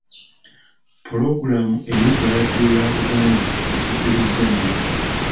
Pulogulamu eri ku laadiyo ya Buganda etuyigiriza nnyo.